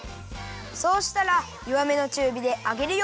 そうしたらよわめのちゅうびで揚げるよ。